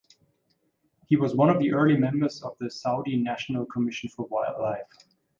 He was one of the early members of the Saudi National Commission for Wildlife.